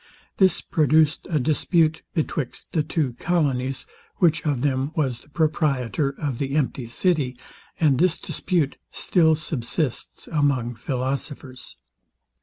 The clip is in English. This produced a dispute betwixt the two colonies, which of them was the proprietor of the empty city and this dispute still subsists among philosophers.